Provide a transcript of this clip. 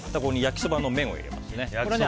ここに焼きそばの麺を入れます。